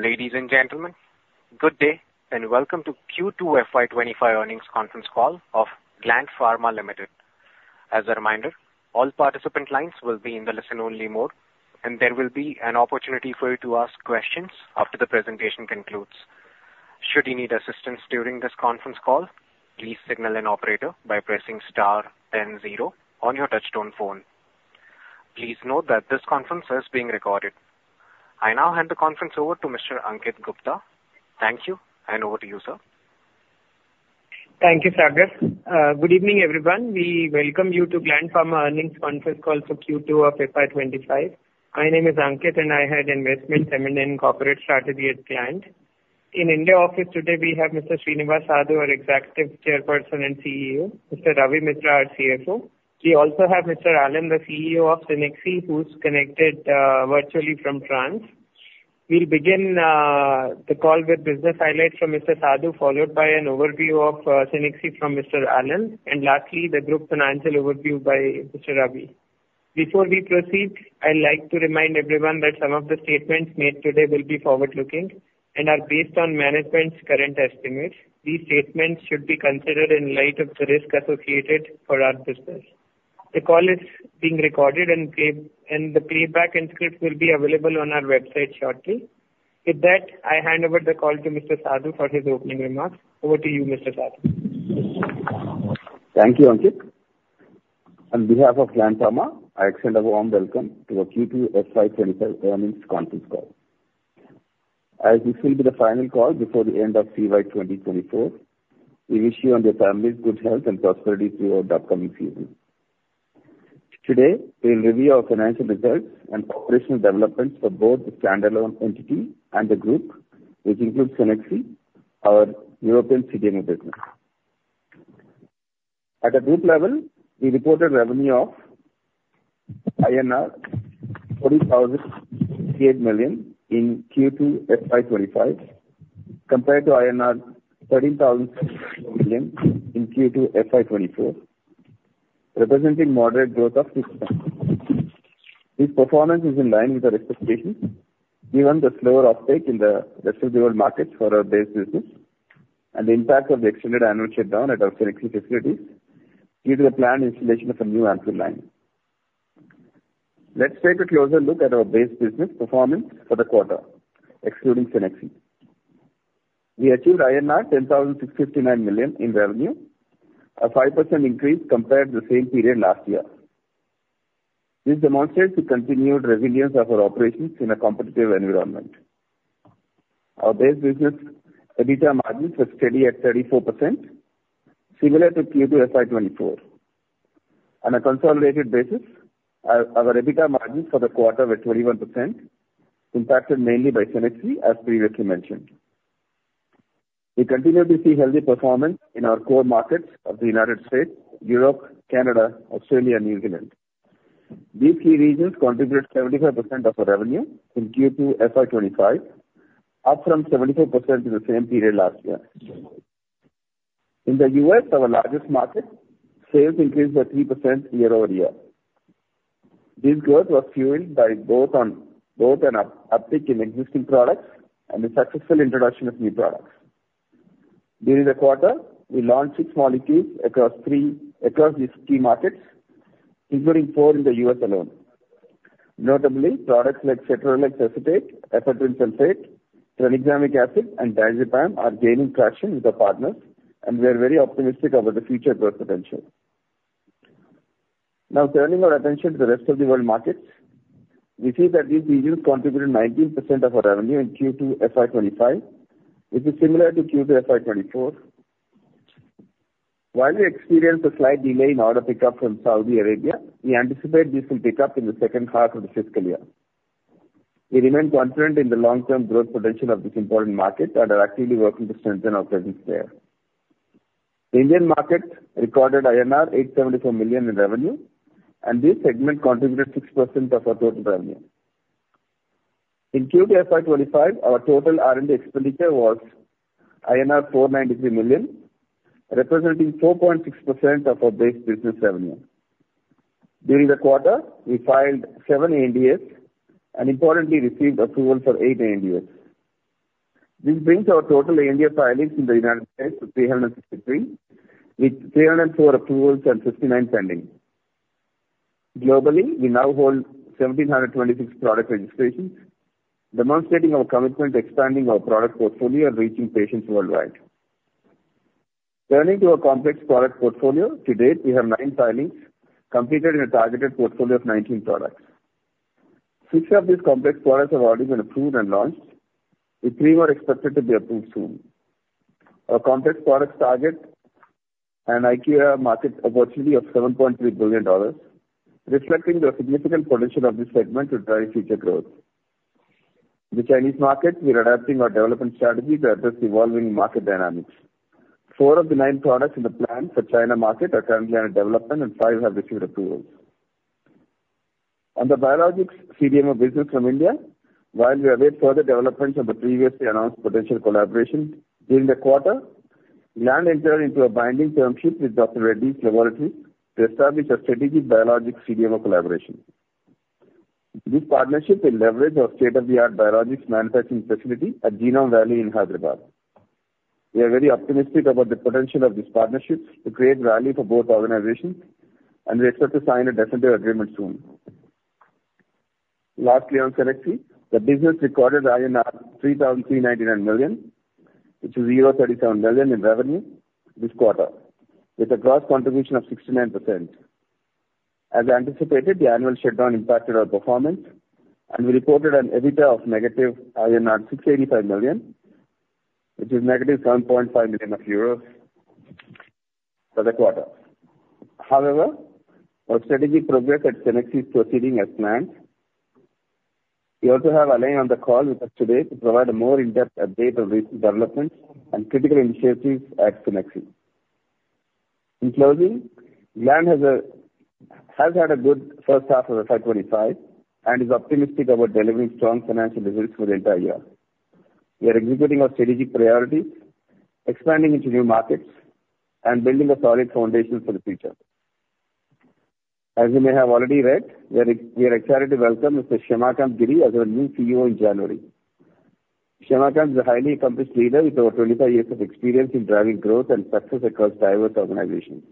Ladies and gentlemen, good day and welcome to Q2 FY 2025 earnings conference call of Gland Pharma Limited. As a reminder, all participant lines will be in the listen-only mode, and there will be an opportunity for you to ask questions after the presentation concludes. Should you need assistance during this conference call, please signal an operator by pressing star 10-0 on your touchtone phone. Please note that this conference is being recorded. I now hand the conference over to Mr. Ankit Gupta. Thank you, and over to you, sir. Thank you, Sagar. Good evening, everyone. We welcome you to Gland Pharma earnings conference call for Q2 of FY 2025. My name is Ankit, and I head investment, M&A, and corporate strategy at Gland. In India office today, we have Mr. Srinivas Sadu, our Executive Chairperson and CEO. Mr. Ravi Mitra, our CFO. We also have Mr. Alain, the CEO of Cenexi, who's connected virtually from France. We'll begin the call with business highlights from Mr. Sadu, followed by an overview of Cenexi from Mr. Alain, and lastly, the group financial overview by Mr. Ravi. Before we proceed, I'd like to remind everyone that some of the statements made today will be forward-looking and are based on management's current estimates. These statements should be considered in light of the risk associated for our business. The call is being recorded, and the playback and script will be available on our website shortly. With that, I hand over the call to Mr. Sadu for his opening remarks. Over to you, Mr. Sadu. Thank you, Ankit. On behalf of Gland Pharma, I extend a warm welcome to the Q2 FY 2025 earnings conference call. As this will be the final call before the end of CY 2024, we wish you and your family good health and prosperity throughout the upcoming season. Today, we'll review our financial results and operational developments for both the standalone entity and the group, which includes Cenexi, our European CDMO business. At a group level, we reported revenue of INR 40,068 million in Q2 FY 2025, compared to INR 13,068 million in Q2 FY 2024, representing moderate growth of 6%. This performance is in line with our expectations, given the slower uptake in the distributor marketsfor our base business and the impact of the extended annual shutdown at our Cenexi facilities due to the planned installation of a new ampoule line. Let's take a closer look at our base business performance for the quarter, excluding Cenexi. We achieved INR 10,659 million in revenue, a 5% increase compared to the same period last year. This demonstrates the continued resilience of our operations in a competitive environment. Our base business EBITDA margins were steady at 34%, similar to Q2 FY 2024. On a consolidated basis, our EBITDA margins for the quarter were 21%, impacted mainly by Cenexi, as previously mentioned. We continue to see healthy performance in our core markets of the United States, Europe, Canada, Australia, and New Zealand. These key regions contributed 75% of our revenue in Q2 FY 2025, up from 74% in the same period last year. In the U.S., our largest market, sales increased by 3% year over year. This growth was fueled by both an uptake in existing products and the successful introduction of new products. During the quarter, we launched six molecules across these key markets, including four in the U.S. alone. Notably, products like Cetrorelix acetate, Ephedrine sulfate, Tranexamic acid, and Diazepam are gaining traction with our partners, and we are very optimistic about the future growth potential. Now, turning our attention to the rest of the world markets, we see that these regions contributed 19% of our revenue in Q2 FY 2025, which is similar to Q2 FY 2024. While we experienced a slight delay in our pickup from Saudi Arabia, we anticipate this will pick up in the second half of the fiscal year. We remain confident in the long-term growth potential of this important market and are actively working to strengthen our presence there. The Indian market recorded INR 874 million in revenue, and this segment contributed 6% of our total revenue. In Q2 FY 2025, our total R&D expenditure was INR 493 million, representing 4.6% of our base business revenue. During the quarter, we filed seven ANDAs and, importantly, received approval for eight ANDAs. This brings our total ANDA filings in the United States to 363, with 304 approvals and 59 pending. Globally, we now hold 1,726 product registrations, demonstrating our commitment to expanding our product portfolio and reaching patients worldwide. Turning to our complex product portfolio, to date, we have nine filings completed in a targeted portfolio of 19 products. Six of these complex products have already been approved and launched, with three more expected to be approved soon. Our complex products target an aggregate market opportunity of $7.3 billion, reflecting the significant potential of this segment to drive future growth. In the Chinese market, we are adapting our development strategy to address evolving market dynamics. Four of the nine products in the plan for China market are currently under development, and five have received approvals. On the biologics CDMO business from India, while we await further developments on the previously announced potential collaboration, during the quarter, Gland entered into a binding term sheet with Dr. Reddy's Laboratories to establish a strategic biologics CDMO collaboration. This partnership will leverage our state-of-the-art biologics manufacturing facility at Genome Valley in Hyderabad. We are very optimistic about the potential of this partnership to create value for both organizations, and we expect to sign a definitive agreement soon. Lastly, on Cenexi, the business recorded INR 3,399 million, which is 0.37 million in revenue this quarter, with a gross contribution of 69%. As anticipated, the annual shutdown impacted our performance, and we reported an EBITDA of negative INR 685 million, which is negative 7.5 million euros for the quarter. However, our strategic progress at Cenexi is proceeding as planned. We also have Alain on the call with us today to provide a more in-depth update on recent developments and critical initiatives at Cenexi. In closing, Gland has had a good first half of FY 2025 and is optimistic about delivering strong financial results for the entire year. We are executing our strategic priorities, expanding into new markets, and building a solid foundation for the future. As you may have already read, we are excited to welcome Mr. Shyamakant Giri as our new CEO in January. Shyamakant is a highly accomplished leader with over 25 years of experience in driving growth and success across diverse organizations.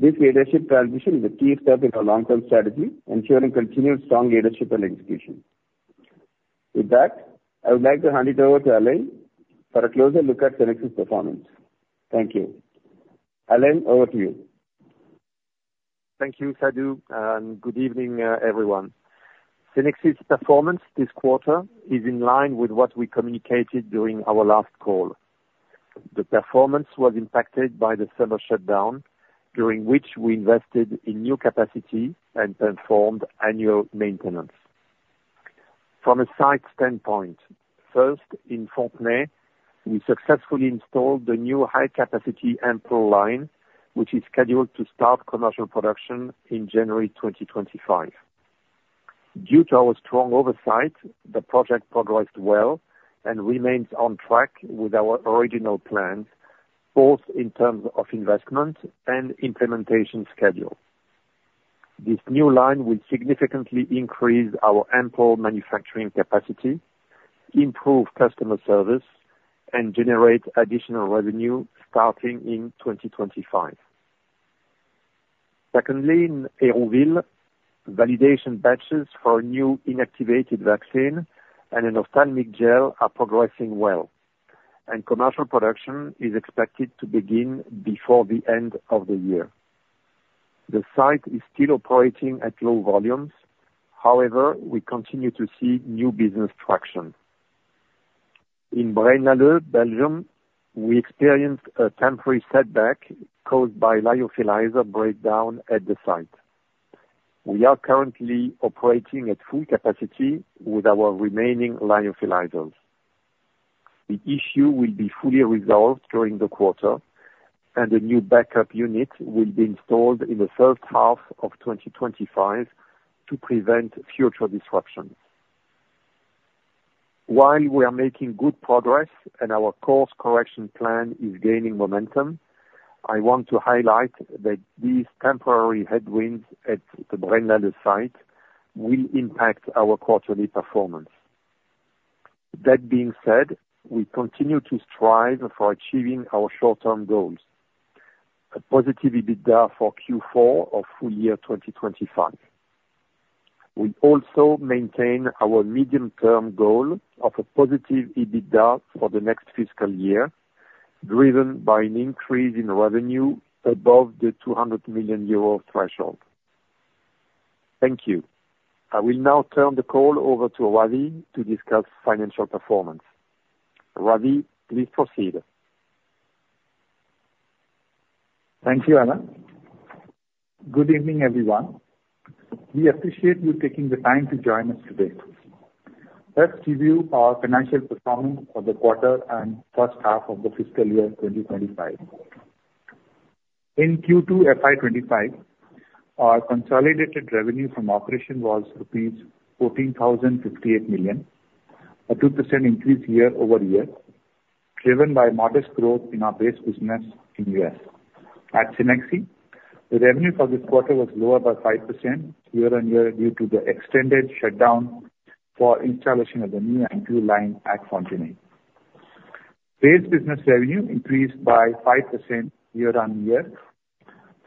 This leadership transition is a key step in our long-term strategy, ensuring continued strong leadership and execution. With that, I would like to hand it over to Alain for a closer look at Cenexi's performance. Thank you. Alain, over to you. Thank you, Sadu, and good evening, everyone. Cenexi's performance this quarter is in line with what we communicated during our last call. The performance was impacted by the summer shutdown, during which we invested in new capacity and performed annual maintenance. From a site standpoint, first, in Fontenay, we successfully installed the new high-capacity ampoule line which is scheduled to start commercial production in January 2025. Due to our strong oversight, the project progressed well and remains on track with our original plan, both in terms of investment and implementation schedule. This new line will significantly increase our ampoule manufacturing capacity, improve customer service, and generate additional revenue starting in 2025. Secondly, in Hérouville, validation batches for a new inactivated vaccine and an ophthalmic gel are progressing well, and commercial production is expected to begin before the end of the year. The site is still operating at low volumes. However, we continue to see new business traction. In Braine-l'Alleud, Belgium, we experienced a temporary setback caused by lyophilizer breakdown at the site. We are currently operating at full capacity with our remaining lyophilizers. The issue will be fully resolved during the quarter, and a new backup unit will be installed in the first half of 2025 to prevent future disruptions. While we are making good progress and our course correction plan is gaining momentum, I want to highlight that these temporary headwinds at the Braine-l'Alleud site will impact our quarterly performance. That being said, we continue to strive for achieving our short-term goals: a positive EBITDA for Q4 of full year 2025. We also maintain our medium-term goal of a positive EBITDA for the next fiscal year, driven by an increase in revenue above the 200 million euro threshold. Thank you. I will now turn the call over to Ravi to discuss financial performance. Ravi, please proceed. Thank you, Ankit. Good evening, everyone. We appreciate you taking the time to join us today. Let's review our financial performance for the quarter and first half of the fiscal year 2025. In Q2 FY 2025, our consolidated revenue from operations was rupees 14,058 million, a 2% increase year over year, driven by modest growth in our base business in the U.S. At Cenexi, the revenue for this quarter was lower by 5% year on year due to the extended shutdown for installation of the new ampoule line at Fontenay. Base business revenue increased by 5% year on year.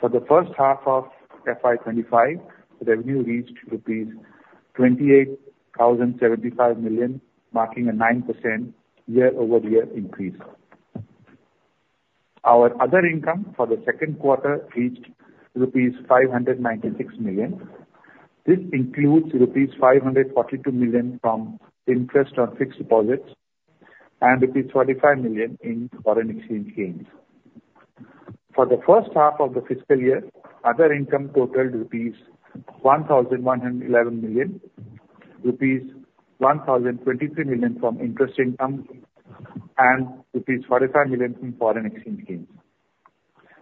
For the first half of FY 2025, revenue reached INR 28,075 million, marking a 9% year-over-year increase. Our other income for the second quarter reached rupees 596 million. This includes rupees 542 million from interest on fixed deposits and rupees 45 million in foreign exchange gains. For the first half of the fiscal year, other income totaled 1,111 million rupees, 1,023 million from interest income, and rupees 45 million from foreign exchange gains.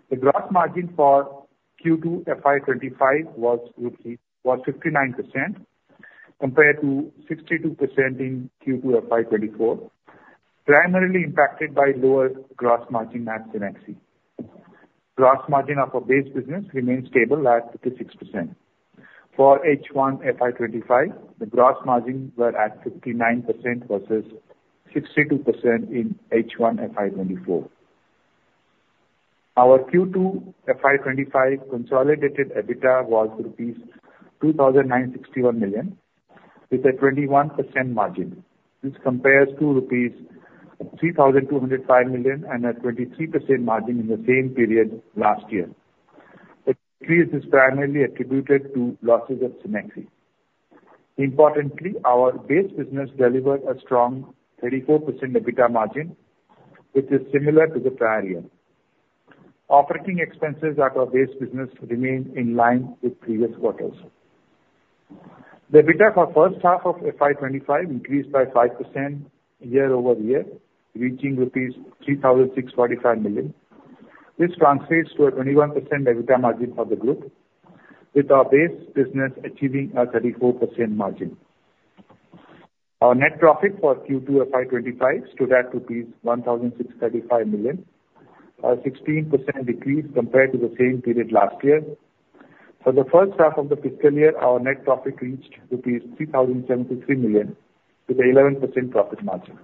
The gross margin for Q2 FY 2025 was 59%, compared to 62% in Q2 FY 2024, primarily impacted by lower gross margin at Cenexi. Gross margin of our base business remained stable at 56%. For H1 FY 2025, the gross margins were at 59% versus 62% in H1 FY 2024. Our Q2 FY 2025 consolidated EBITDA was rupees 2,961 million, with a 21% margin. This compares to rupees 3,205 million and a 23% margin in the same period last year. The decrease is primarily attributed to losses at Cenexi. Importantly, our base business delivered a strong 34% EBITDA margin, which is similar to the prior year. Operating expenses at our base business remain in line with previous quarters. The EBITDA for the first half of FY 2025 increased by 5% year over year, reaching rupees 3,645 million. This translates to a 21% EBITDA margin for the group, with our base business achieving a 34% margin. Our net profit for Q2 FY 2025 stood at INR 1,635 million, a 16% decrease compared to the same period last year. For the first half of the fiscal year, our net profit reached rupees 3,073 million, with an 11% profit margin.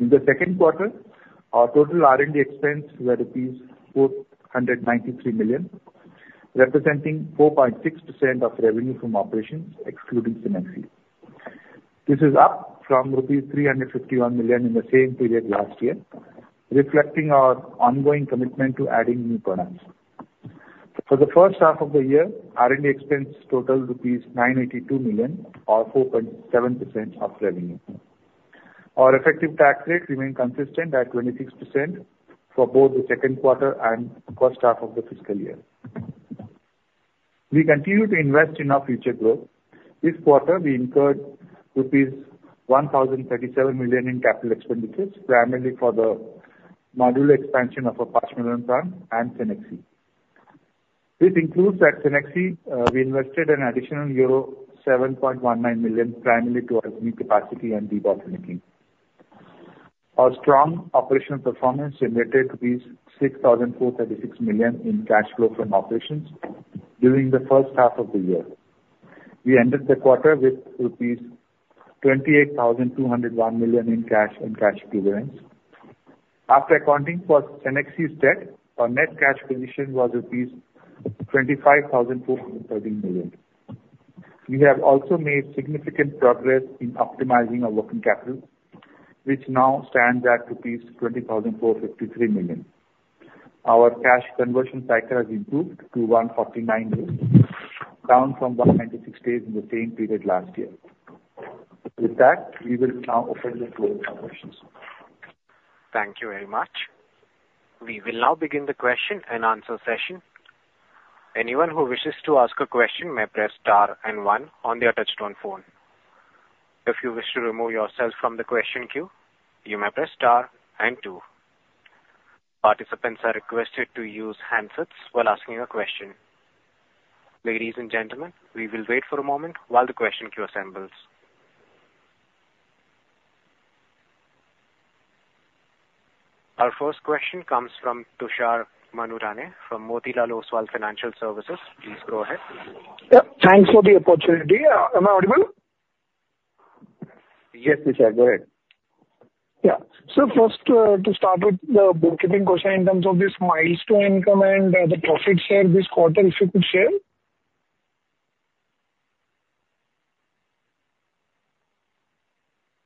In the second quarter, our total R&D expenses were 493 million, representing 4.6% of revenue from operations, excluding Cenexi. This is up from rupees 351 million in the same period last year, reflecting our ongoing commitment to adding new products. For the first half of the year, R&D expenses totaled rupees 982 million, or 4.7% of revenue. Our effective tax rate remained consistent at 26% for both the second quarter and first half of the fiscal year. We continue to invest in our future growth. This quarter, we incurred rupees 1,037 million in capital expenditures, primarily for the modular expansion of our Pashamylaram plant and Cenexi. This includes that Cenexi invested an additional euro 7.19 million, primarily towards new capacity and de-bottlenecking. Our strong operational performance generated 6,436 million in cash flow from operations during the first half of the year. We ended the quarter with INR 28,201 million in cash and cash equivalents. After accounting for Cenexi's debt, our net cash position was rupees 25,413 million. We have also made significant progress in optimizing our working capital, which now stands at rupees 20,453 million. Our cash conversion cycle has improved to 149 days, down from 196 days in the same period last year. With that, we will now open the floor to questions. Thank you very much. We will now begin the question and answer session. Anyone who wishes to ask a question may press star and one on the touch-tone phone. If you wish to remove yourself from the question queue, you may press star and two. Participants are requested to use handsets while asking a question. Ladies and gentlemen, we will wait for a moment while the question queue assembles. Our first question comes from Tushar Manudhane from Motilal Oswal Financial Services. Please go ahead. Thanks for the opportunity. Am I audible? Yes, Tushar, go ahead. Yeah. So first, to start with the bookkeeping question in terms of this milestone income and the profit share this quarter, if you could share.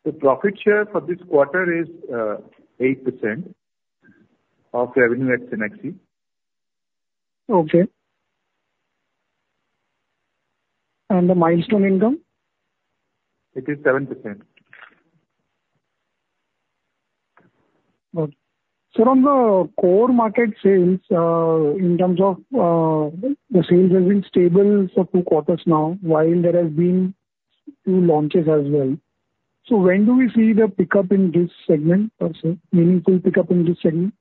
The profit share for this quarter is 8% of revenue at Cenexi. Okay, and the milestone income? It is 7%. Okay. So on the core market sales, in terms of the sales have been stable for two quarters now, while there have been two launches as well. So when do we see the pickup in this segment, or meaningful pickup in this segment?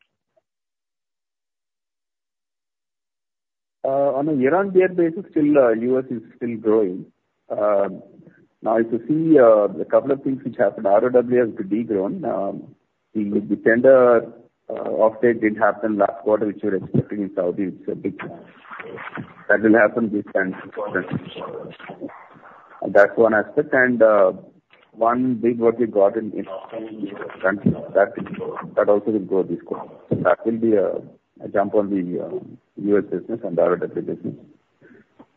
On a year-on-year basis, still, US is still growing. Now, if you see a couple of things which happened, ROW has been degrown. The tender offtake did happen last quarter, which we were expecting in Saudi. It's a big that will happen this time this quarter. That's one aspect, and one big what we got in the Australian country, that also will grow this quarter. So that will be a jump on the US business and ROW business,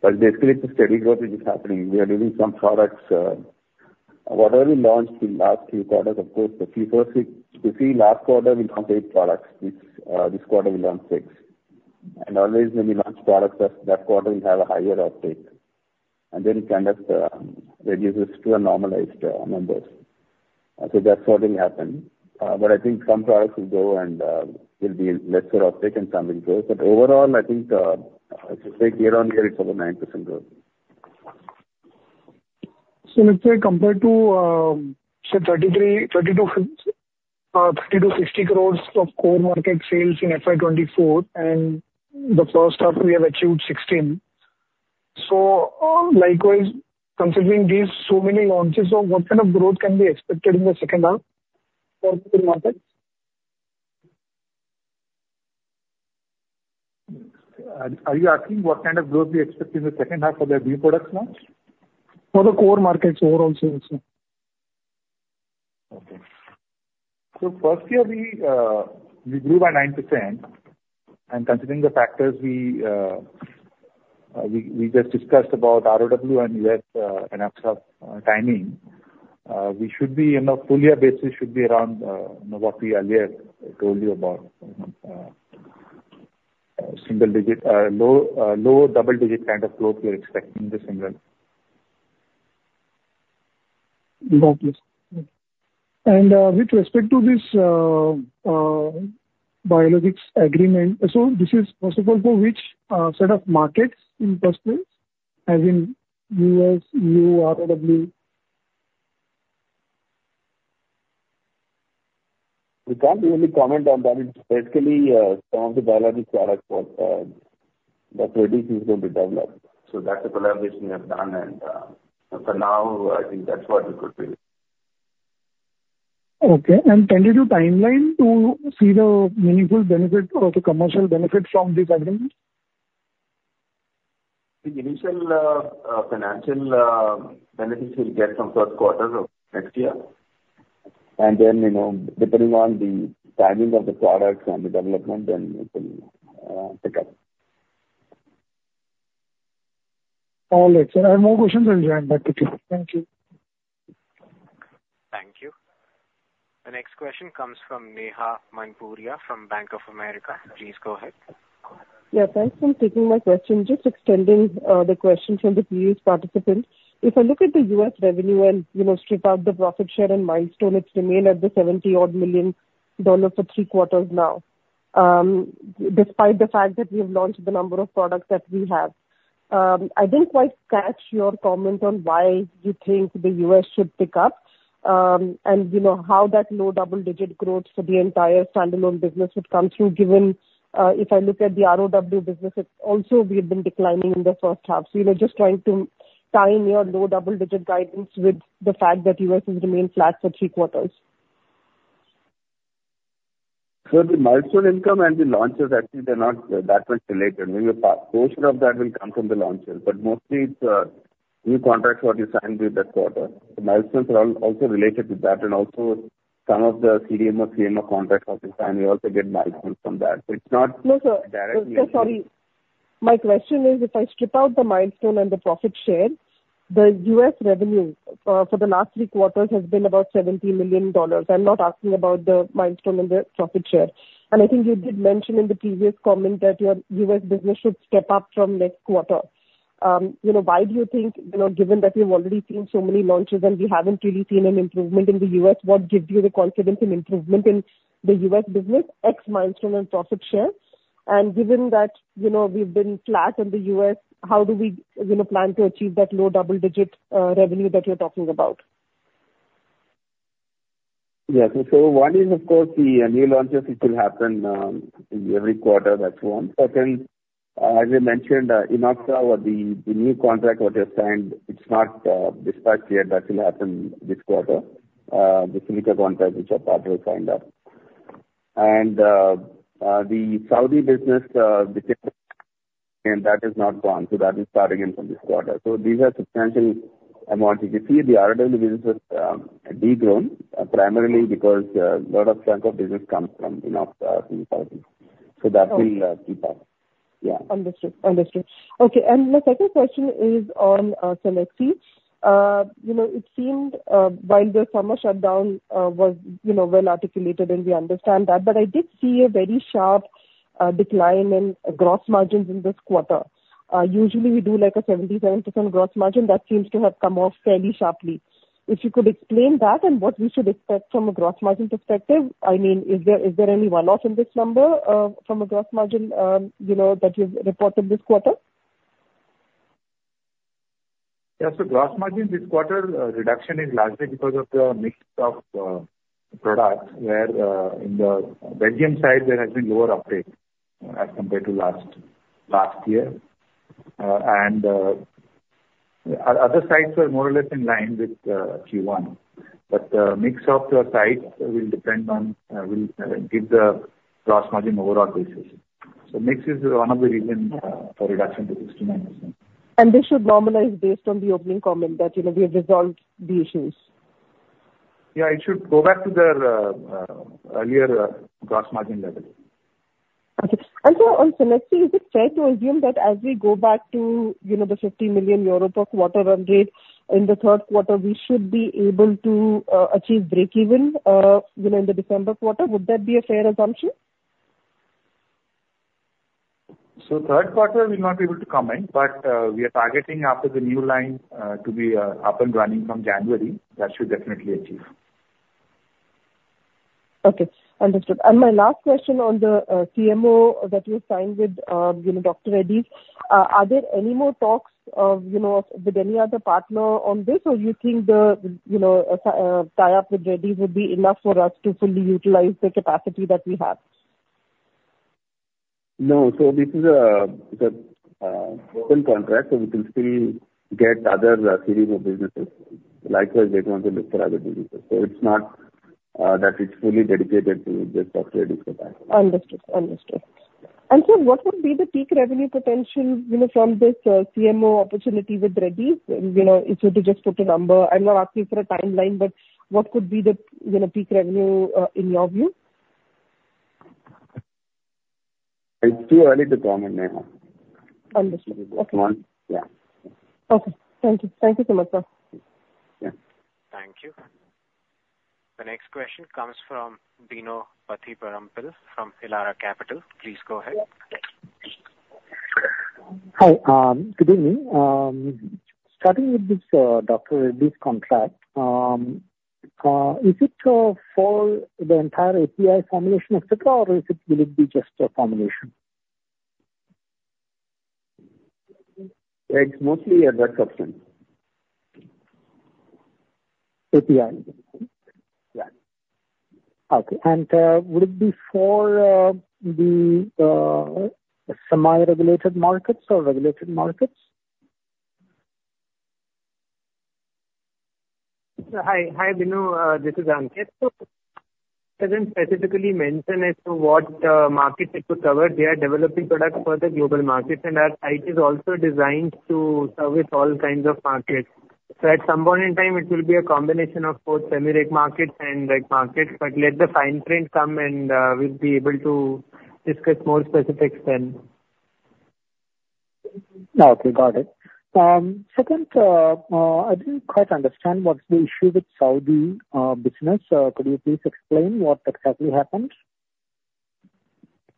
but basically, it's a steady growth which is happening. We are leaving some products. Whatever we launched in the last few quarters, of course, the few first you see last quarter, we launched eight products. This quarter, we launched six. And always when we launch products, that quarter will have a higher uptake, and then it kind of reduces to normalized numbers. So that's what will happen. But I think some products will go and will be lesser uptake and some will grow. But overall, I think year-on-year, it's over 9% growth. So let's say compared to, say, 3,260 crores of core market sales in FY 2024, and the first half, we have achieved 16. So likewise, considering these so many launches, what kind of growth can be expected in the second half for core markets? Are you asking what kind of growth we expect in the second half for the new products launch? For the core markets, overall sales. Okay, so first year, we grew by 9%. And considering the factors we just discussed about ROW and US and approval timing, we should be on a full-year basis, should be around what we earlier told you about, single-digit low double-digit kind of growth we are expecting this year. Okay. And with respect to this biologics agreement, so this is, first of all, for which set of markets in the first place? As in US, EU, ROW? We can't really comment on that. It's basically some of the biologics products that Ravi is going to develop. So that's a collaboration we have done. And for now, I think that's what we could do. Okay, and can you do timeline to see the meaningful benefit or the commercial benefit from this agreement? The initial financial benefits we'll get from the first quarter of next year, and then, depending on the timing of the products and the development, then it will pick up. All right. So I have no questions on the agenda. Thank you. Thank you. Thank you. The next question comes from Neha Manpuria from Bank of America. Please go ahead. Yeah. Thanks for taking my question. Just extending the question from the previous participant. If I look at the U.S. revenue and strip out the profit share and milestone, it's remained at the $70 million for three quarters now, despite the fact that we have launched the number of products that we have. I didn't quite catch your comment on why you think the U.S. should pick up and how that low double-digit growth for the entire standalone business would come through, given if I look at the ROW business, it also would have been declining in the first half. So just trying to tie in your low double-digit guidance with the fact that U.S. has remained flat for three quarters. So the milestone income and the launches actually are not that much related. Maybe a portion of that will come from the launches. But mostly, it's new contracts that we signed with that quarter. The milestones are also related to that. And also, some of the CDMO, CMO contracts that we signed, we also get milestones from that. It's not directly related. No, sir. Sorry. My question is, if I strip out the milestone and the profit share, the U.S. revenue for the last three quarters has been about $70 million. I'm not asking about the milestone and the profit share. And I think you did mention in the previous comment that your U.S. business should step up from next quarter. Why do you think, given that we've already seen so many launches and we haven't really seen an improvement in the U.S., what gives you the confidence in improvement in the U.S. business, ex milestone and profit share? And given that we've been flat in the U.S., how do we plan to achieve that low double-digit revenue that you're talking about? Yeah. So one is, of course, the new launches which will happen every quarter. That's one. Second, as I mentioned, in Upsher-Smith, the new contract that we have signed, it's not dispatched yet. That will happen this quarter. The Civica contracts which are partly signed up. And the Saudi business, the Civica contract, that has not gone. So that is starting in from this quarter. So these are substantial amounts. You can see the ROW business has degrown, primarily because a lot of chunk of business comes from Upsher and Saudi. So that will keep up. Yeah. Understood. Understood. Okay. And my second question is on Cenexi. It seemed while the summer shutdown was well articulated, and we understand that. But I did see a very sharp decline in gross margins in this quarter. Usually, we do like a 77% gross margin. That seems to have come off fairly sharply. If you could explain that and what we should expect from a gross margin perspective, I mean, is there any one-off in this number from a gross margin that you've reported this quarter? Yeah. So gross margin this quarter reduction is largely because of the mix of products, where in the Belgian side, there has been lower uptake as compared to last year. And other sites were more or less in line with Q1. But the mix of the sites will depend on will give the gross margin overall basis. So mix is one of the reasons for reduction to 69%. This should normalize based on the opening comment that we have resolved the issues. Yeah. It should go back to the earlier gross margin level. Okay, and so on Cenexi, is it fair to assume that as we go back to the 50 million euro per quarter run rate in the third quarter, we should be able to achieve breakeven in the December quarter? Would that be a fair assumption? So third quarter, we're not able to comment. But we are targeting after the new line to be up and running from January. That should definitely achieve. Okay. Understood. And my last question on the CMO that you signed with Dr. Reddy, are there any more talks with any other partner on this? Or do you think the tie-up with Reddy would be enough for us to fully utilize the capacity that we have? No. So this is an open contract. So we can still get other series of businesses. Likewise, they don't want to look for other businesses. So it's not that it's fully dedicated to just Dr. Reddy's capacity. Understood. Understood. And so what would be the peak revenue potential from this CMO opportunity with Reddy? So to just put a number, I'm not asking for a timeline, but what could be the peak revenue in your view? It's too early to comment right now. Understood. Okay. It's one. Yeah. Okay. Thank you. Thank you so much, sir. Yeah. Thank you. The next question comes from Bino Pathiparampil from Elara Capital. Please go ahead. Hi. Good evening. Starting with this Dr. Reddy's contract, is it for the entire API formulation, etc., or will it be just a formulation? It's mostly a drug substance. API. Yeah. Okay. And would it be for the semi-regulated markets or regulated markets? Hi, Bino. This is Ankit. It doesn't specifically mention as to what markets it could cover. They are developing products for the global markets, and our site is also designed to service all kinds of markets. So at some point in time, it will be a combination of both semi-reg markets and reg markets. But let the fine print come, and we'll be able to discuss more specifics then. Okay. Got it. Second, I didn't quite understand what's the issue with Saudi business. Could you please explain what exactly happened?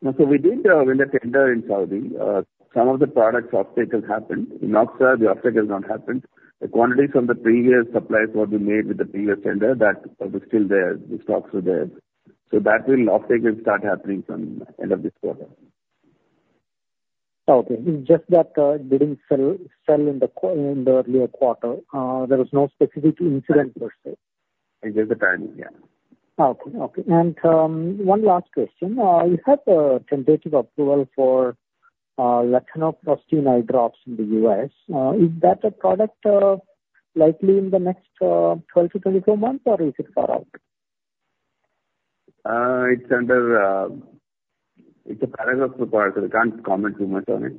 So we did win a tender in Saudi. Some of the products uptake has happened. In the US, the uptake has not happened. The quantities from the previous supplies that we made with the previous tender, that was still there. The stocks were there. So that will uptake and start happening from the end of this quarter. Okay. It's just that it didn't sell in the earlier quarter. There was no specific incident per se. It was a timing. Yeah. Okay. Okay. And one last question. You had a tentative approval for Latanoprostene bunod eye drops in the U.S. Is that a product likely in the next 12-24 months, or is it far out? It's under a Paragraph IV, so I can't comment too much on it.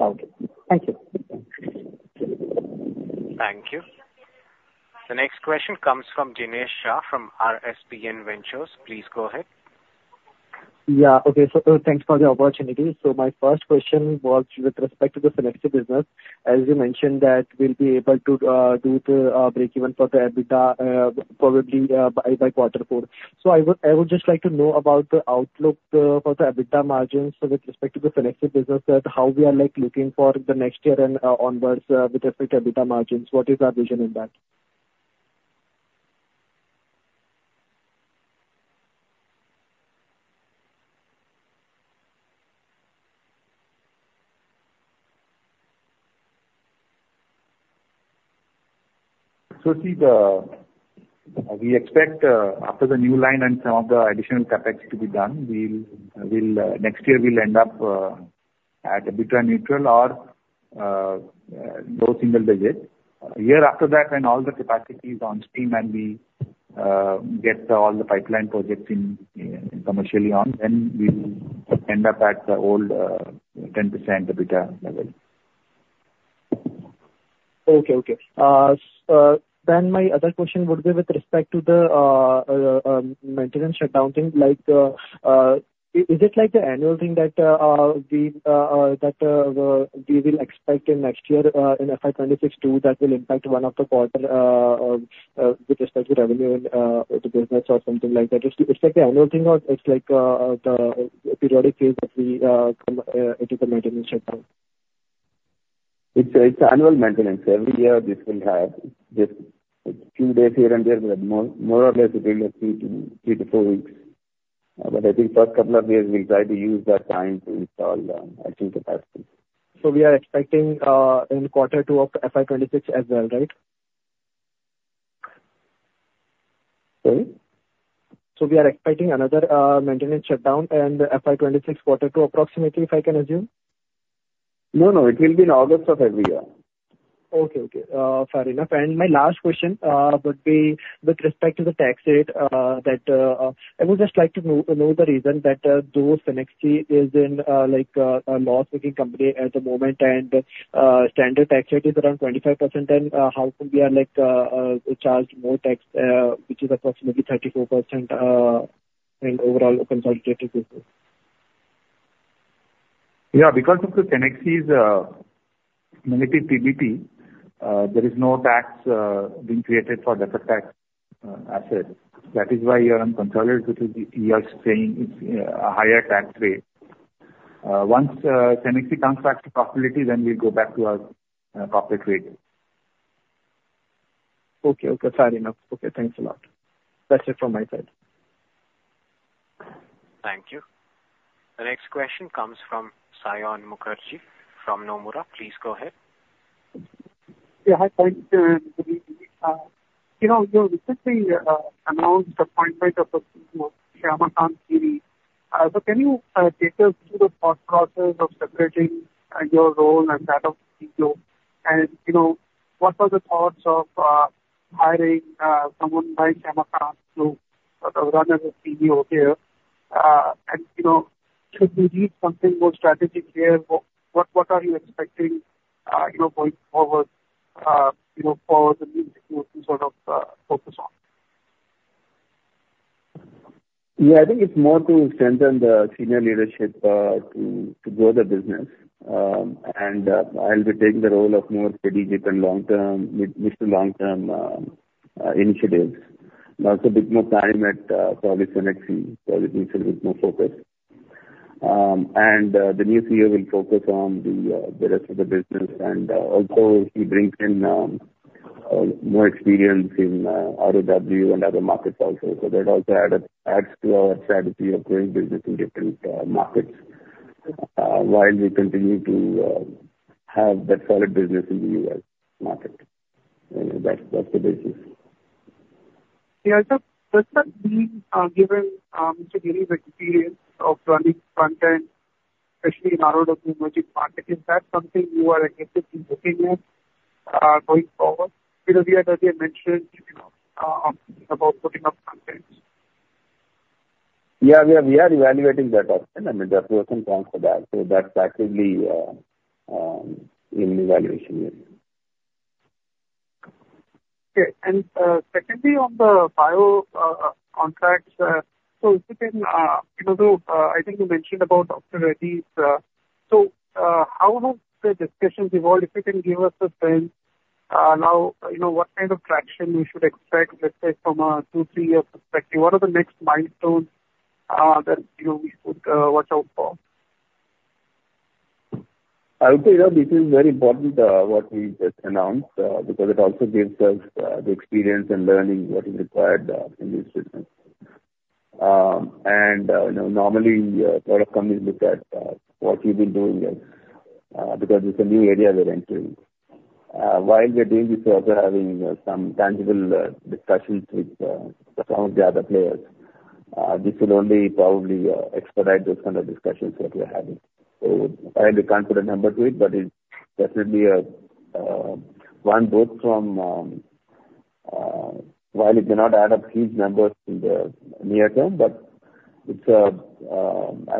Okay. Thank you. Thank you. The next question comes from Jinesh Shah from RSPN Ventures. Please go ahead. Yeah. Okay. So thanks for the opportunity. So my first question was with respect to the Cenexi business. As you mentioned, that we'll be able to do the breakeven for the EBITDA probably by quarter four. So I would just like to know about the outlook for the EBITDA margins with respect to the Cenexi business, how we are looking for the next year and onwards with respect to EBITDA margins. What is our vision in that? See, we expect after the new line and some of the additional CapEx to be done, next year, we'll end up at EBITDA neutral or low single-digit. A year after that, when all the capacity is on stream and we get all the pipeline projects commercially on, then we will end up at the old 10% EBITDA level. Okay. Okay. Then my other question would be with respect to the maintenance shutdown thing. Is it like the annual thing that we will expect in next year in FY 2026 too that will impact one of the quarters with respect to revenue in the business or something like that? It's like the annual thing or it's like the periodic phase that we come into the maintenance shutdown? It's annual maintenance. Every year, this will have just a few days here and there, but more or less, it will be three to four weeks, but I think the first couple of years, we'll try to use that time to install additional capacity. So we are expecting in quarter two of FY 2026 as well, right? Sorry? So we are expecting another maintenance shutdown in FY 2026 quarter two approximately, if I can assume? No, no. It will be in August of every year. Okay. Okay. Fair enough. And my last question would be with respect to the tax rate that I would just like to know the reason that though Cenexi is in a loss-making company at the moment and standard tax rate is around 25%, then how come we are charged more tax, which is approximately 34% in overall consolidated business? Yeah. Because of Cenexi's limited PBT, there is no tax being created for the corporate tax asset. That is why you're on consolidated, which is you're saying it's a higher tax rate. Once Cenexi comes back to profitability, then we'll go back to our corporate rate. Okay. Okay. Fair enough. Okay. Thanks a lot. That's it from my side. Thank you. The next question comes from Saion Mukherjee from Nomura. Please go ahead. Yeah. Hi. Thanks. You recently announced the appointment of Shyamakant Giri. So can you take us through the thought process of separating your role as CEO? And what were the thoughts of hiring someone like Shyamakant to run as a CEO here? And should we lead something more strategic here? What are you expecting going forward for the new CEO to sort of focus on? Yeah. I think it's more to extend on the senior leadership to grow the business. And I'll be taking the role of more strategic and long-term, mission-long-term initiatives. And also a bit more time at probably Cenexi. Probably needs a bit more focus. And the new CEO will focus on the rest of the business. And also, he brings in more experience in ROW and other markets also. So that also adds to our strategy of growing business in different markets while we continue to have that solid business in the U.S. market. That's the basis. Yeah, so does that mean, given Mr. Giri's experience of running plants, especially in ROW emerging markets, is that something you are aggressively looking at going forward? Because you had already mentioned about putting up plants. Yeah. We are evaluating that option. I mean, there are some points for that. So that's actively in evaluation. Okay. And secondly, on the bio contracts, so if you can, I think you mentioned about Dr. Reddy's. So how have the discussions evolved? If you can give us a sense now, what kind of traction we should expect, let's say, from a two, three-year perspective? What are the next milestones that we should watch out for? I would say that this is very important, what we just announced, because it also gives us the experience and learning what is required in this business. Normally, a lot of companies look at what we've been doing because it's a new area they're entering. While we're doing this, we're also having some tangible discussions with some of the other players. This will only probably expedite those kinds of discussions that we're having. I haven't come to the number to it, but it's definitely a win both from while it may not add up huge numbers in the near term. I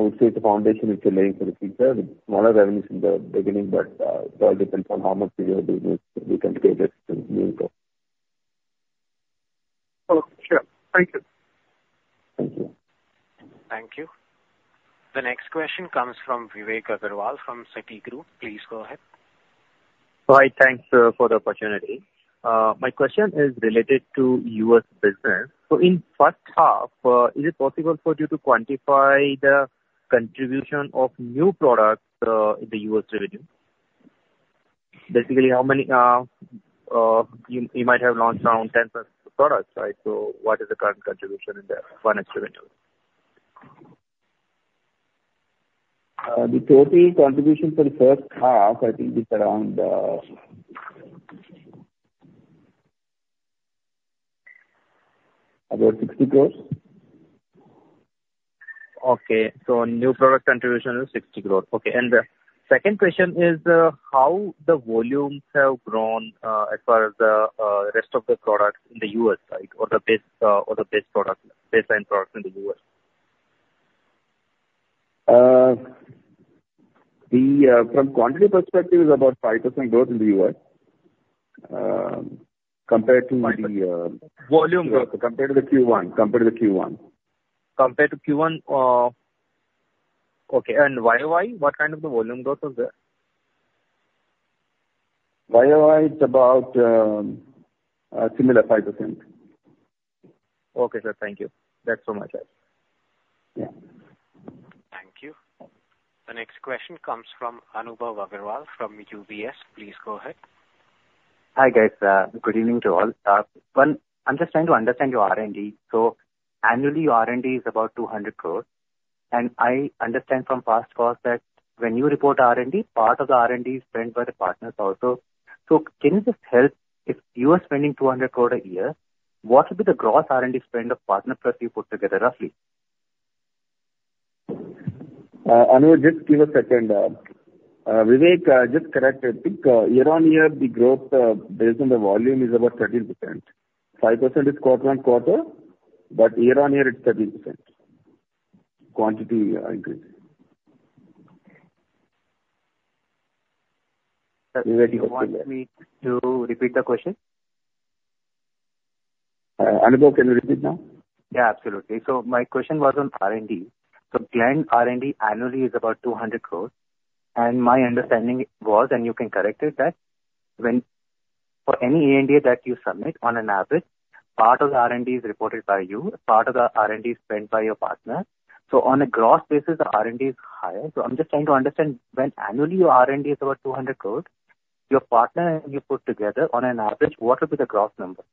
would say the foundation is laying for the future with smaller revenues in the beginning, but it all depends on how much bigger business we can scale this to move. Okay. Sure. Thank you. Thank you. Thank you. The next question comes from Vivek Agarwal from Citigroup. Please go ahead. Hi. Thanks for the opportunity. My question is related to US business. So in first half, is it possible for you to quantify the contribution of new products in the US revenue? Basically, how many you might have launched around 10 products, right? So what is the current contribution in the US revenue? The total contribution for the first half, I think it's around about 60 crores. Okay. So new product contribution is 60 crores. Okay. And the second question is how the volumes have grown as far as the rest of the products in the U.S., right, or the baseline products in the U.S.? From quantity perspective, it's about 5% growth in the U.S. compared to the volume growth compared to the Q1. Compared to Q1. Okay. And YoY, what kind of volume growth is there? YOI, it's about similar 5%. Okay, sir. Thank you. That's from my side. Yeah. Thank you. The next question comes from Anubhav Agarwal from UBS. Please go ahead. Hi, guys. Good evening to all. I'm just trying to understand your R&D. So annually, your R&D is about 200 crores. And I understand from past calls that when you report R&D, part of the R&D is spent by the partners also. So can you just help? If you are spending 200 crores a year, what would be the gross R&D spend of partner plus you put together roughly? Anu, just give us a second. Vivek, just correct it. I think year-on-year, the growth based on the volume is about 13%. 5% is quarter-on-quarter, but year-on-year, it's 13%. Quantity increase. Vivek, you want me to repeat the question? Anubhav, can you repeat now? Yeah, absolutely. So my question was on R&D. So client R&D annually is about 200 crores. And my understanding was, and you can correct it, that for any R&D that you submit, on average, part of the R&D is reported by you, part of the R&D is spent by your partner. So on a gross basis, the R&D is higher. So I'm just trying to understand when annually your R&D is about 200 crores, your partner and you put together, on average, what would be the gross number?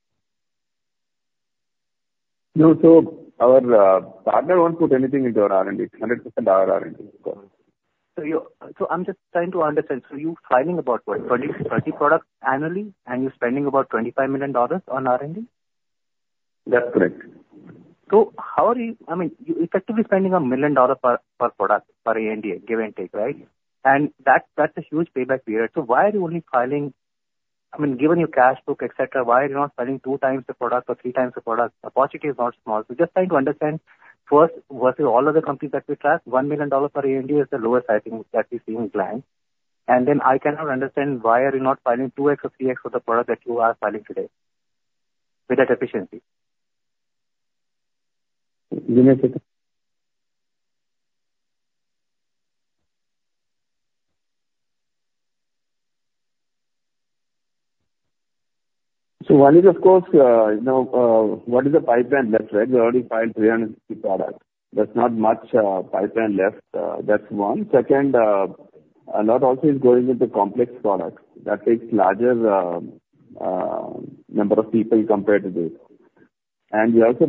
No. So our partner won't put anything into our R&D. It's 100% our R&D. I'm just trying to understand. You're filing about 20 products annually, and you're spending about $25 million on R&D? That's correct. How are you? I mean, you're effectively spending $1 million per product per R&D, give and take, right? And that's a huge payback period. Why are you only filing? I mean, given your cash book, etc., why are you not filing two times the product or three times the product? The appetite is not small. Just trying to understand, first, versus all other companies that we track, $1 million per R&D is the lowest, I think, that we've seen in clients. And then I cannot understand why are you not filing 2x or 3x of the product that you are filing today with that efficiency. Dinesh, so one is, of course, what is the pipeline left, right? We're already filed 350 products. That's not much pipeline left. That's one. Second, a lot also is going into complex products that takes a larger number of people compared to this. And we have to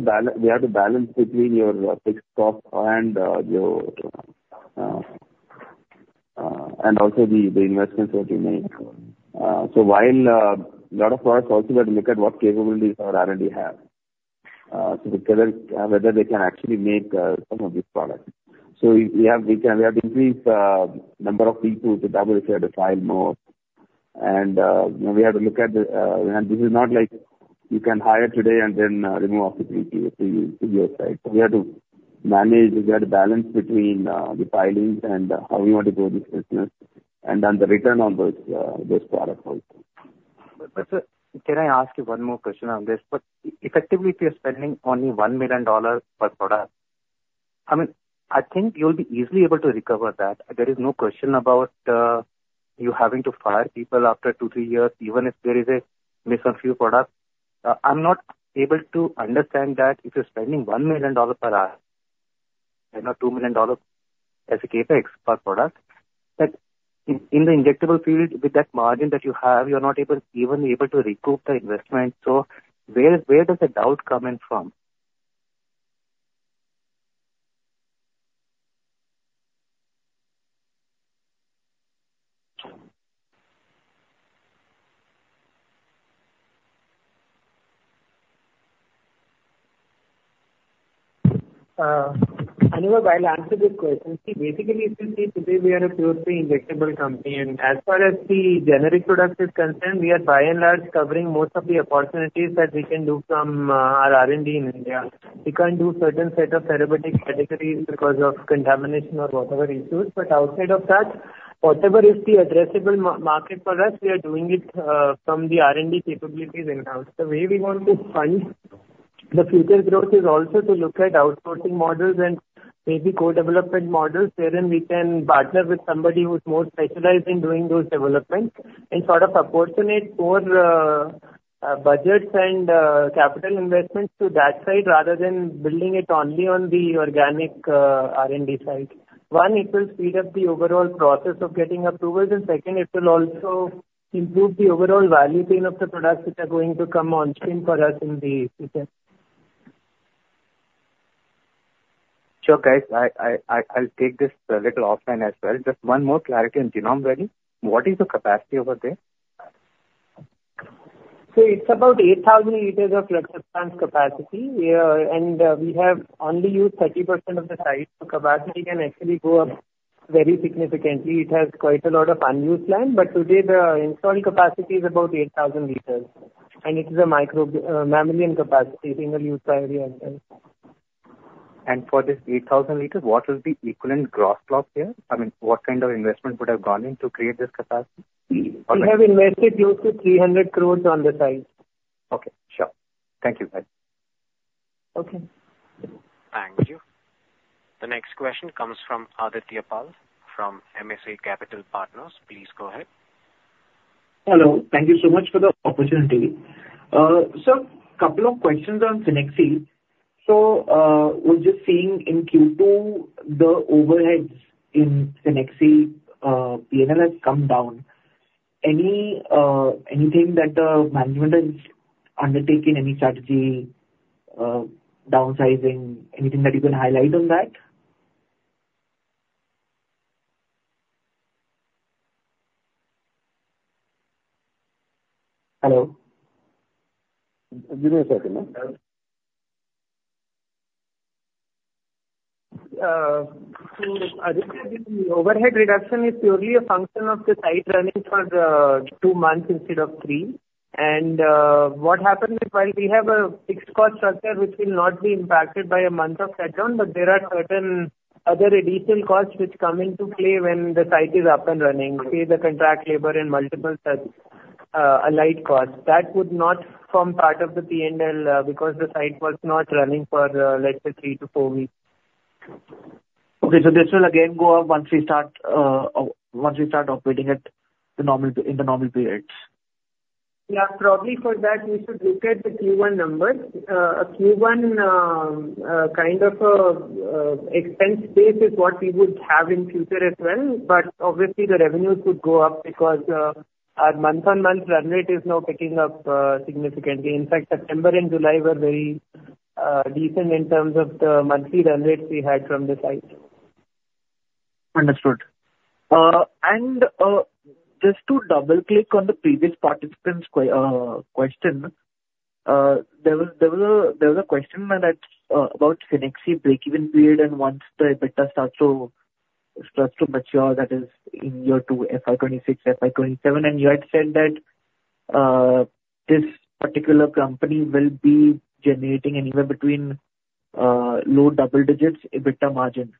balance between your fixed cost and also the investments that you make. So a lot of products also we have to look at what capabilities our R&D has. So together, whether they can actually make some of these products. So we have to increase the number of people to double if we have to file more. And we have to look at the and this is not like you can hire today and then remove all the people to your side. So we have to manage the balance between the filings and how we want to grow this business and then the return on those products also. But sir, can I ask you one more question on this? But effectively, if you're spending only $1 million per product, I mean, I think you'll be easily able to recover that. There is no question about you having to fire people after two, three years, even if there is a me-too product. I'm not able to understand that if you're spending $1 million per product and not $2 million as a CapEx per product, that in the injectable field, with that margin that you have, you're not even able to recoup the investment. So where does the doubt come in from? Anubhav, I'll answer this question. See, basically, if you see, today, we are a purely injectable company, and as far as the generic products are concerned, we are by and large covering most of the opportunities that we can do from our R&D in India. We can't do a certain set of therapeutic categories because of contamination or whatever issues, but outside of that, whatever is the addressable market for us, we are doing it from the R&D capabilities in-house. The way we want to fund the future growth is also to look at outsourcing models and maybe co-development models wherein we can partner with somebody who's more specialized in doing those developments and sort of apportion more budgets and capital investments to that side rather than building it only on the organic R&D side. One, it will speed up the overall process of getting approvals. And second, it will also improve the overall value chain of the products that are going to come on-stream for us in the future. Sure, guys. I'll take this a little offline as well. Just one more clarity on Genome ready. What is the capacity over there? So it's about 8,000 liters of flexible plant capacity. And we have only used 30% of the site. So capacity can actually go up very significantly. It has quite a lot of unused land. But today, the installed capacity is about 8,000 liters. And it is a mammalian capacity, single-use area. For this 8,000 liters, what will be the equivalent gross block here? I mean, what kind of investment would have gone into creating this capacity? We have invested close to 300 crores on the site. Okay. Sure. Thank you, guys. Okay. Thank you. The next question comes from Aditya Pal from MSA Capital Partners. Please go ahead. Hello. Thank you so much for the opportunity. Sir, a couple of questions on Cenexi. So we're just seeing in Q2, the overheads in Cenexi P&L have come down. Anything that the management has undertaken, any strategy, downsizing, anything that you can highlight on that? Hello. Give me a second. So Aditya, the overhead reduction is purely a function of the site running for two months instead of three, and what happens is while we have a fixed cost structure which will not be impacted by a month of shutdown, but there are certain other additional costs which come into play when the site is up and running, say the contract labor and multiple such allied costs. That would not form part of the P&L because the site was not running for, let's say, three to four weeks. Okay. So this will again go up once we start operating it in the normal periods? Yeah. Probably for that, we should look at the Q1 numbers. A Q1 kind of expense base is what we would have in Q2 as well. But obviously, the revenues would go up because our month-on-month run rate is now picking up significantly. In fact, September and July were very decent in terms of the monthly run rates we had from the site. Understood. And just to double-click on the previous participant's question, there was a question about Cenexi break-even period and once the EBITDA starts to mature, that is in year 2, FY 2026, FY 2027. And you had said that this particular company will be generating anywhere between low double digits EBITDA margin.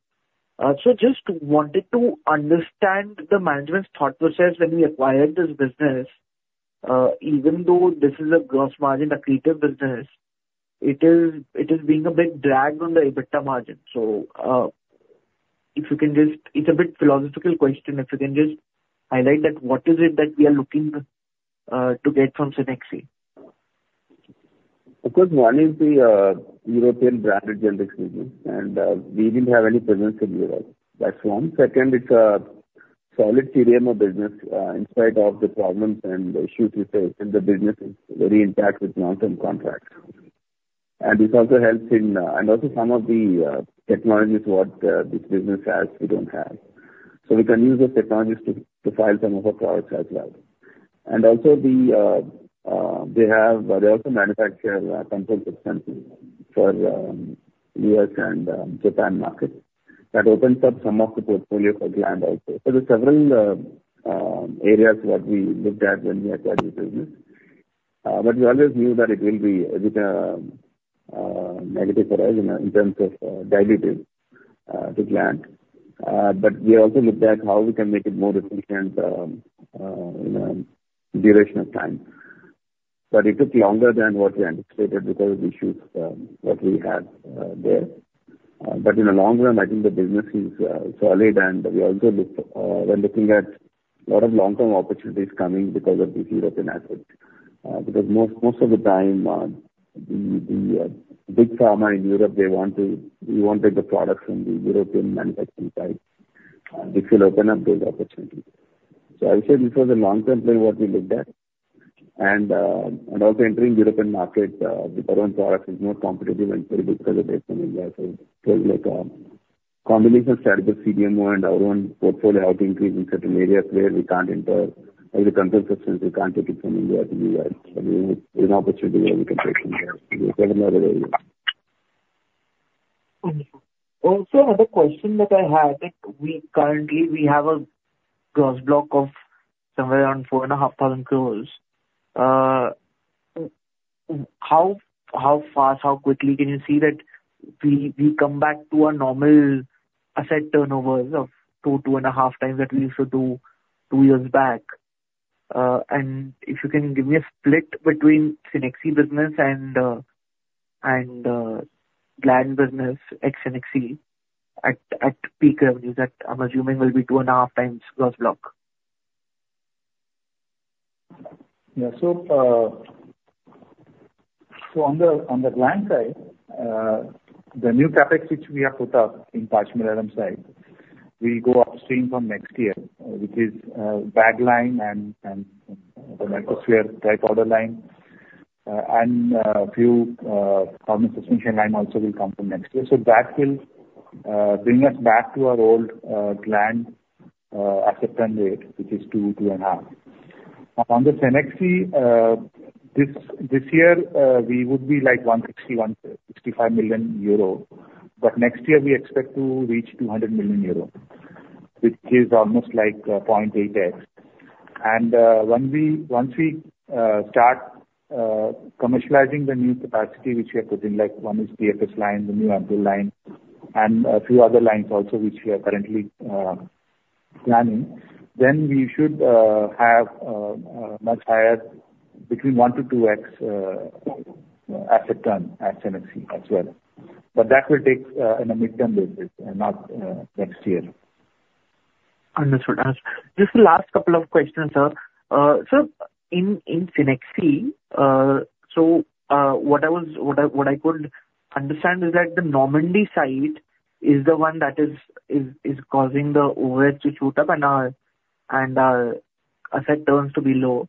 So just wanted to understand the management's thought process when we acquired this business. Even though this is a gross margin accretive business, it is being a bit dragged on the EBITDA margin. So if you can just, it's a bit philosophical question. If you can just highlight that, what is it that we are looking to get from Cenexi? Because one is the European branded generic business, and we didn't have any presence in Europe. That's one. Second, it's a solid sterile business in spite of the problems and the issues we faced, and the business is very intact with long-term contracts. And this also helps in, and also some of the technologies what this business has, we don't have. So we can use those technologies to file some of our products as well. And also, they also manufacture controlled substances for U.S. and Japan markets. That opens up some of the portfolio for clientele also. So there are several areas that we looked at when we acquired this business. But we always knew that it will be a bit negative for us in terms of diluting the clientele. But we also looked at how we can make it more efficient in a duration of time. But it took longer than what we anticipated because of the issues that we had there. But in the long run, I think the business is solid, and we also looked—we're looking at a lot of long-term opportunities coming because of this European aspect. Because most of the time, the big pharma in Europe, they want to—we want to get the products from the European manufacturing sites. This will open up those opportunities. So I would say this was a long-term plan what we looked at. And also entering the European market with our own products is more competitive and stable because it is from India. So it was like a combination strategy of CDMO and our own portfolio out into certain areas where we can't enter as a control substance. We can't take it from India to the U.S. But there's an opportunity where we can take it from there to several other areas. Also, another question that I had. Currently, we have a gross block of somewhere around 4,500 crores. How fast, how quickly can you see that we come back to our normal asset turnovers of two, two and a half times that we used to do two years back? And if you can give me a split between Cenexi business and client business at Cenexi at peak revenues, I'm assuming will be two and a half times gross block. Yeah. So on the plant side, the new CapEx which we have put up in Pashamylaram site, we come online from next year, which is bag line and the microsphere dry powder line. And a few complex suspension line also will come from next year. So that will bring us back to our old plant asset turn rate, which is two, two and a half. On the Cenexi, this year, we would be like 160-165 million euro. But next year, we expect to reach 200 million euro, which is almost like 0.8x. And once we start commercializing the new capacity which we have put in, like one is the PFS line, the new ampoule line, and a few other lines also which we are currently planning, then we should have much higher, between 1-2x asset turn at Cenexi as well. But that will take on a midterm basis and not next year. Understood. Just the last couple of questions, sir. So in Cenexi, so what I could understand is that the Normandy site is the one that is causing the overhead to shoot up and our asset turns to be low.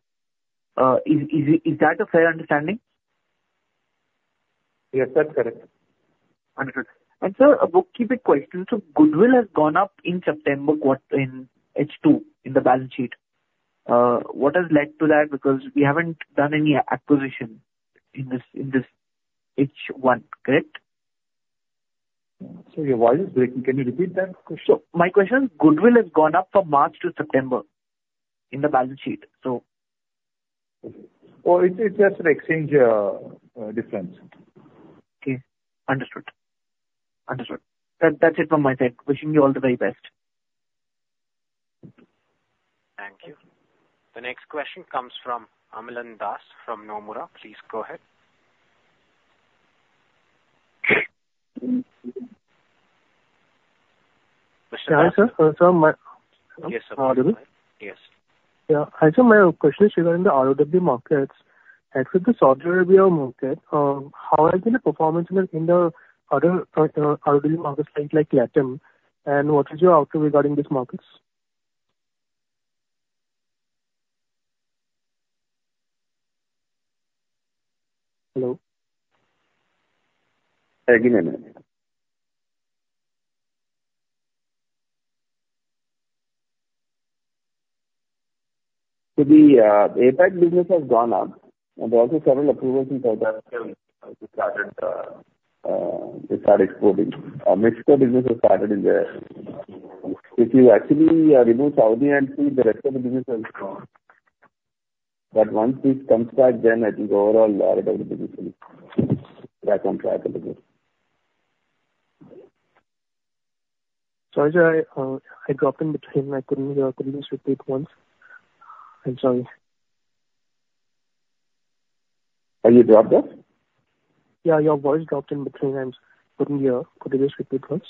Is that a fair understanding? Yes, that's correct. Understood. And sir, a bookkeeping question. So goodwill has gone up in September in H2 in the balance sheet. What has led to that? Because we haven't done any acquisition in this H1, correct? Sorry, your voice is breaking. Can you repeat that question? So my question is, Goodwill has gone up from March to September in the balance sheet, so. It's just an exchange difference. Okay. Understood. Understood. That's it from my side. Wishing you all the very best. Thank you. The next question comes from Amlan Das from Nomura. Please go ahead. Mr. Das. Hi, sir. Sir, my... Yes, sir. Can you hear me? Yes. Yeah. Hi, sir. My question is regarding the ROW markets and for the Saudi Arabia market, how has the performance been in the other ROW markets like Latin? And what is your outlook regarding these markets? Hello? I agree with that. So the APAC business has gone up. And there are also several approvals in South Africa which started exporting. Mexico business has started in there. If you actually remove Saudi and see the rest of the business has gone. But once this comes back, then I think overall ROW business will come back a little bit. Sorry, sir. I dropped in between. I couldn't hear. Could you just repeat once? I'm sorry. Have you dropped off? Yeah. Your voice dropped in between. I just couldn't hear. Could you just repeat once?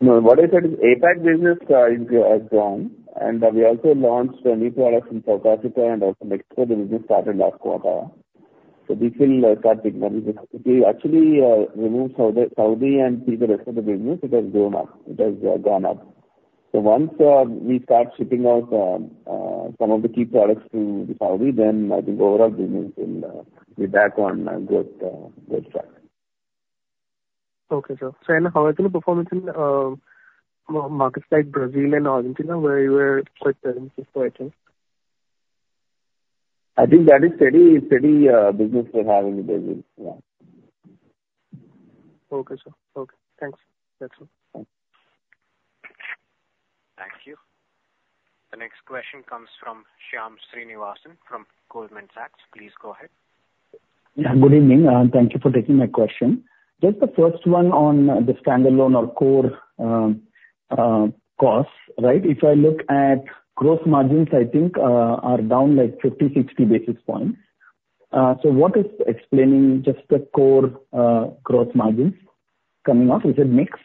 No. What I said is APAC business has gone, and we also launched a new product in South Africa and also Mexico. The business started last quarter, so we will start taking that. If we actually remove Saudi and see the rest of the business, it has grown up. It has gone up, so once we start shipping out some of the key products to Saudi, then I think overall business will be back on a good track. Okay, sir. So how has the performance in markets like Brazil and Argentina where you were quite present this quarter? I think that is steady business we're having in Brazil. Yeah. Okay, sir. Okay. Thanks. That's all. Thanks. Thank you. The next question comes from Shyam Srinivasan from Goldman Sachs. Please go ahead. Yeah. Good evening. Thank you for taking my question. Just the first one on the standalone or core costs, right? If I look at gross margins, I think are down like 50-60 basis points. So what is explaining just the core gross margins coming up? Is it mix?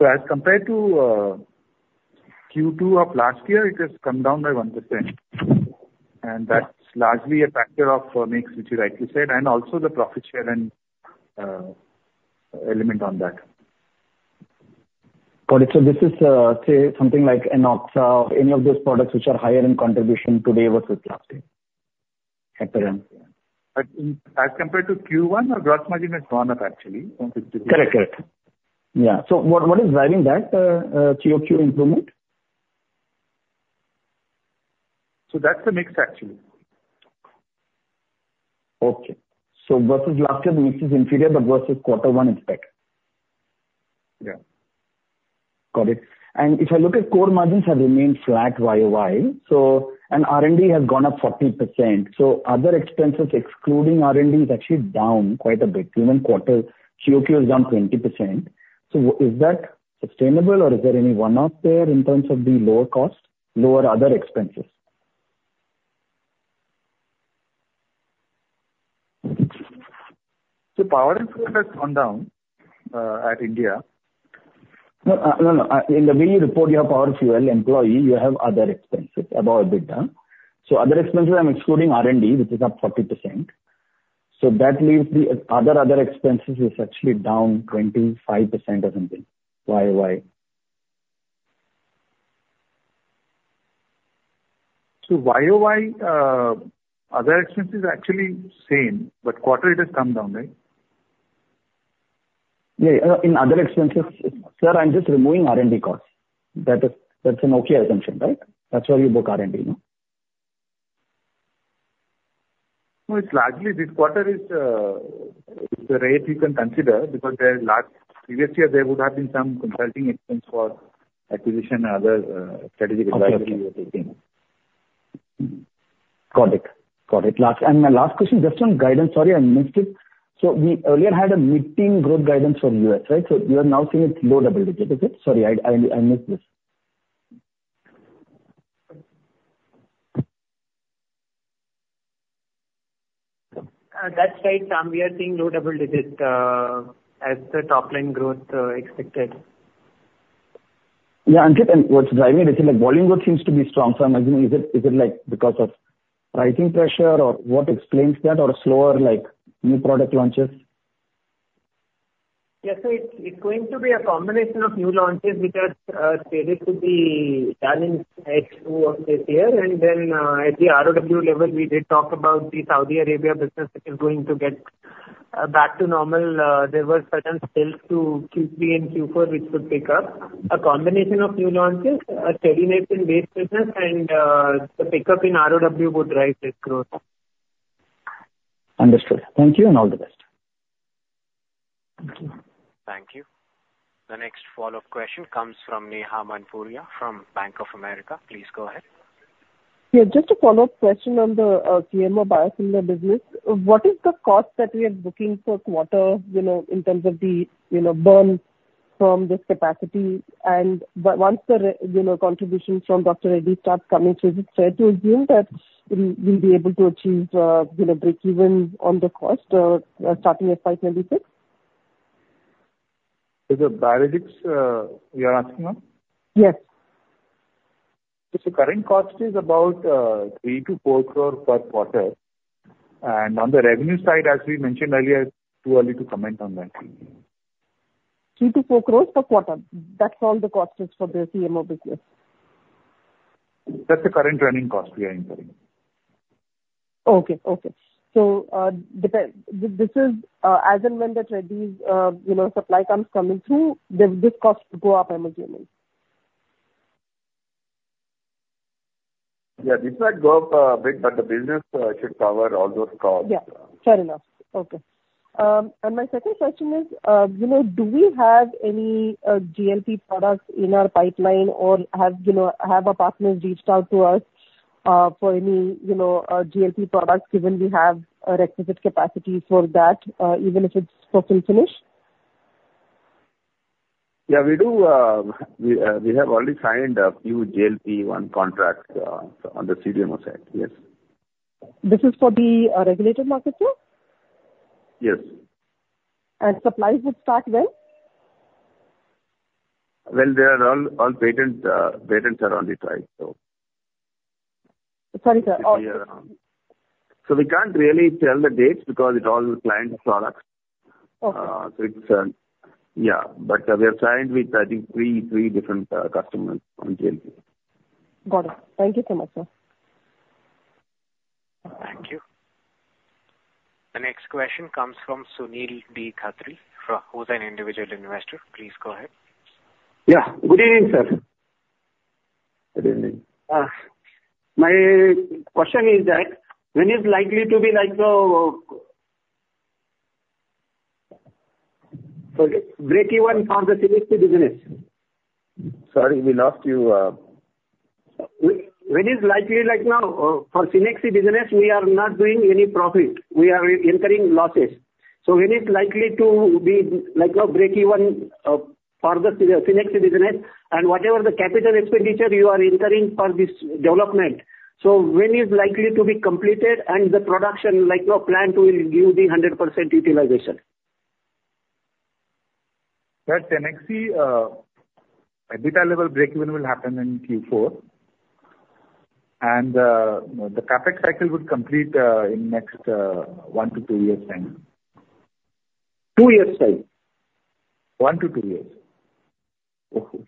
So as compared to Q2 of last year, it has come down by 1%. And that's largely a factor of mix which you rightly said. And also the profit share and element on that. Got it. So this is, say, something like Enoxaparin sodium or any of those products which are higher in contribution today versus last year? As compared to Q1, our gross margin has gone up, actually. Correct. Correct. Yeah. So what is driving that, TOQ improvement? So that's the mix, actually. Okay. So versus last year, the mix is inferior, but versus quarter one, it's better. Yeah. Got it. And if I look at core margins, have remained flat YOY. So and R&D has gone up 40%. So other expenses excluding R&D is actually down quite a bit. Even quarter, QOQ has gone 20%. So is that sustainable, or is there any one-off there in terms of the lower cost, lower other expenses? Power and fuel has gone down at India. No, no, no. In the way you report your power, fuel, employee, you have other expenses above EBITDA. So other expenses, I'm excluding R&D, which is up 40%. So that leaves the other expenses is actually down 25% or something YOY. So, YOY, other expenses are actually same, but quarter it has come down, right? Yeah. In other expenses, sir, I'm just removing R&D costs. That's an okay assumption, right? That's why we book R&D, no? It's largely this quarter is the rate you can consider because there's last previous year, there would have been some consulting expense for acquisition and other strategic advisory we were taking. Got it. Got it. And my last question, just on guidance. Sorry, I missed it. So we earlier had a mid-teens growth guidance for U.S., right? So you are now seeing it low double-digit, is it? Sorry, I missed this. That's right. We are seeing low double-digit as the top-line growth expected. Yeah. And what's driving it is that volume growth seems to be strong. So I'm assuming, is it because of pricing pressure or what explains that or slower new product launches? Yes. So it's going to be a combination of new launches which are slated to be done in H2 of this year. And then at the ROW level, we did talk about the Saudi Arabia business which is going to get back to normal. There were certain sales to Q3 and Q4 which could pick up. A combination of new launches, a steadiness in base business, and the pickup in ROW would drive this growth. Understood. Thank you and all the best. Thank you. Thank you. The next follow-up question comes from Neha Manpuria from Bank of America. Please go ahead. Yeah. Just a follow-up question on the CMO biosimilar business. What is the cost that we are booking for quarter in terms of the burn from this capacity? And once the contribution from Dr. Reddy starts coming, is it fair to assume that we'll be able to achieve break-even on the cost starting at 596? Is it biologics you're asking about? Yes. The current cost is about 3 crore-4 crore per quarter. On the revenue side, as we mentioned earlier, it's too early to comment on that. 3 crore-4 crore per quarter. That's all the cost is for the CMO business. That's the current running cost we are incurring. Okay. So this is as and when the Reddy's supply comes through, this cost will go up, I'm assuming. Yeah. This might go up a bit, but the business should cover all those costs. Yeah. Fair enough. Okay. And my second question is, do we have any GLP products in our pipeline, or have our partners reached out to us for any GLP products given we have a requisite capacity for that, even if it's fill-finish? Yeah. We have already signed a few GLP-1 contracts on the CDMO side. Yes. This is for the regulated market, sir? Yes. Supplies would start when? There are all patents around it, right? So. Sorry, sir. So we can't really tell the dates because it's all client products. So it's, yeah. But we have signed with, I think, three different customers on GLP-1. Got it. Thank you so much, sir. Thank you. The next question comes from Sunil D. Khatri, who's an individual investor. Please go ahead. Yeah. Good evening, sir. Good evening. My question is that when is likely to be like now break-even for the Cenexi business? Sorry, we lost you. When is likely like now for Cenexi business? We are not doing any profit. We are incurring losses. So when is likely to be like break-even for the Cenexi business and whatever the capital expenditure you are incurring for this development? So when is likely to be completed and the production like planned will give the 100% utilization? Cenexi at this level, break-even will happen in Q4, and the CapEx cycle would complete in next one to two years' time. Two years' time? One to two years.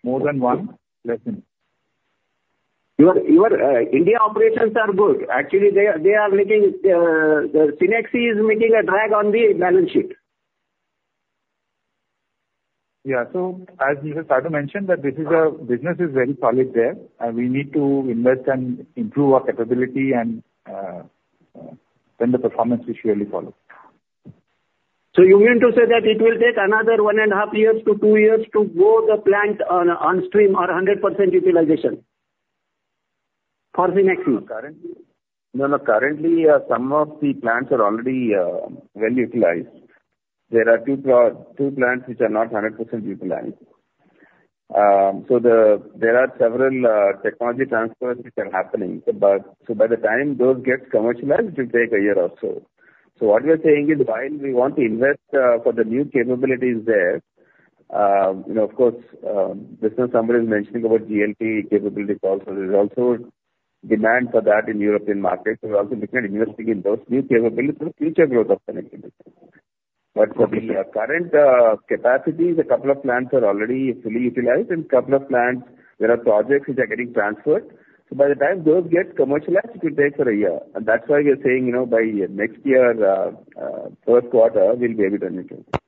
More than one, less than. Your India operations are good. Actually, the Cenexi is making a drag on the balance sheet. Yeah. So as Mr. Sadu mentioned, that this is a business is very solid there. And we need to invest and improve our capability and then the performance is surely followed. You mean to say that it will take another one and a half years to two years to grow the plant on stream or 100% utilization for Cenexi? No, no. Currently, some of the plants are already well utilized. There are two plants which are not 100% utilized. So there are several technology transfers which are happening. So by the time those get commercialized, it will take a year or so. So what we are saying is while we want to invest for the new capabilities there, of course, just now somebody was mentioning about GLP-1 capabilities. There is also demand for that in European markets. We're also looking at investing in those new capabilities for future growth of Cenexi. But for the current capacity, a couple of plants are already fully utilized, and a couple of plants, there are projects which are getting transferred. So by the time those get commercialized, it will take a year. And that's why we are saying by next year, first quarter, we'll be able to invest in it.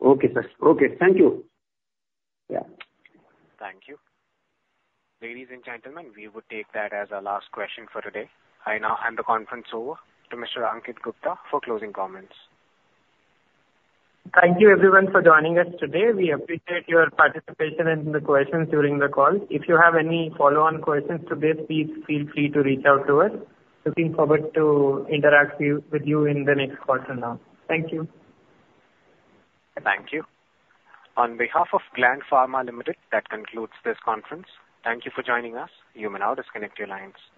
Okay, sir. Okay. Thank you. Yeah. Thank you. Ladies and gentlemen, we would take that as our last question for today. I now hand the conference over to Mr. Ankit Gupta for closing comments. Thank you, everyone, for joining us today. We appreciate your participation and the questions during the call. If you have any follow-on questions today, please feel free to reach out to us. Looking forward to interacting with you in the next quarter now. Thank you. Thank you. On behalf of Gland Pharma Limited, that concludes this conference. Thank you for joining us. You may now disconnect your lines.